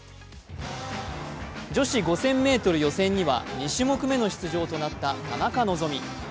女子５０００ｍ予選には２種目目の出場となった田中希実。